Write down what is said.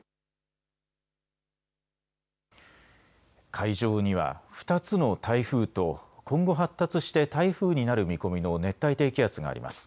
海上には２つの台風と今後、発達して台風になる見込みの熱帯低気圧があります。